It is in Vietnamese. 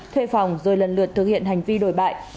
thuê phòng rồi lần lượt thực hiện hành vi đổi bại